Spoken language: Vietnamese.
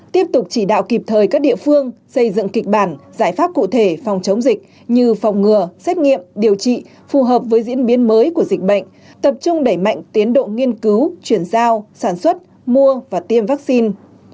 tiếp tục chỉ đạo kịp thời các địa phương xây dựng kịch bản giải pháp cụ thể phòng chống dịch như phòng ngừa xét nghiệm điều trị phù hợp với diễn biến mới của dịch bệnh tập trung đẩy mạnh tiến độ nghiên cứu chuyển giao sản xuất mua và tiêm vaccine